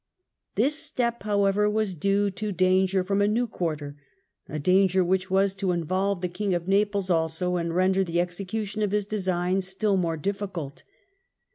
This step, however, was due to danger from a new quarter, a danger which was to in volve the King of Naples also, and render the execution of his designs still more difficult.